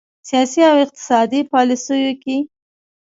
سیاسي او اقتصادي پالیسیو کې